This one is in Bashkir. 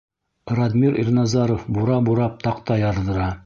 Радмир Ирназаров бура бурап, таҡта ярҙыра.